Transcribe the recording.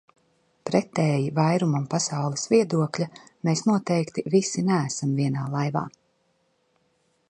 Pretēji vairumam pasaules viedokļa, mēs noteikti visi neesam vienā laivā.